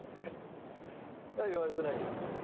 言われてないですね。